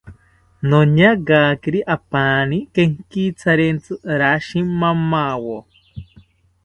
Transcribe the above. Noñagakiri apaani kenkitharentzi rashi mamawo